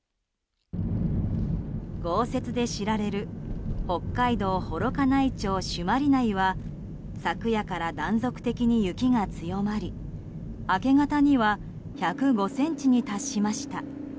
豪雪で知られる北海道幌加内町朱鞠内は昨夜から断続的に雪が強まり明け方には１０５ｃｍに達しました。